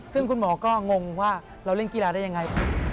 ซึ่งคุณหมอก็งงว่าเราเล่นกีฬาได้ยังไง